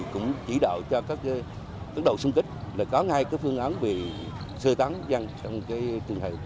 cũng chỉ đọc cho các tấn độ xung kích là có ngay cái phương án về sơ tán dân trong cái trường hợp